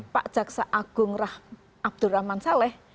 pak jaksa agung abdul rahman saleh